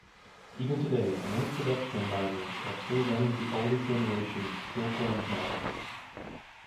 Even today, many production environments are still running the older generation Silkworm models.